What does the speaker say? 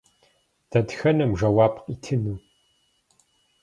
Дэтхэнэм жэуап къитыну?